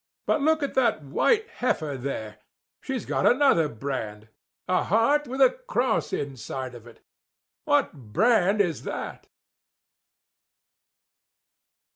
"But look at that white heifer there; she's got another brand—a heart with a cross inside of it. What brand is that?"